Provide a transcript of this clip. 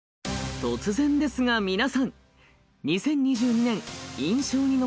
突然ですが皆さん！